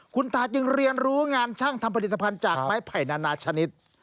คุณตาจึงเรียนรู้งานช่างทำผลิตภัณฑ์จากไม้ไผ่นนานาชนิด